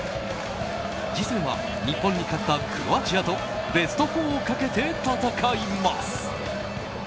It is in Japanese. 次戦は日本に勝ったクロアチアとベスト４をかけて戦います。